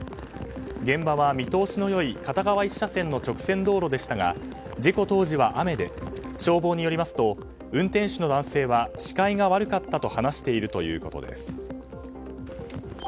現場は見通しの良い片側１車線の直線道路でしたが事故当時は雨で消防によりますと運転手の男性は視界が悪かったと話しているということです。